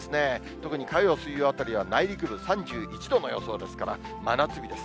特に火曜、水曜あたりは内陸部３１度の予想ですから、真夏日です。